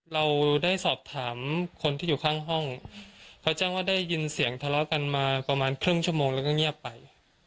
เราได้สอบถามคนที่อยู่ข้างห้องเขาแจ้งว่าได้ยินเสียงทะเลาะกันมาประมาณครึ่งชั่วโมงแล้วก็เงียบไป